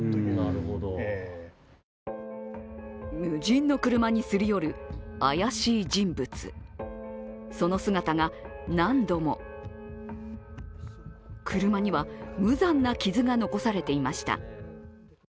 無人の車にすり寄る、怪しい人物その姿が何度も車には無残な傷が残されていました。